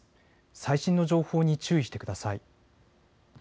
最新の情報に注意してください。